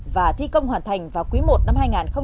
và thi công hoàn thành vào quý một năm hai nghìn một mươi sáu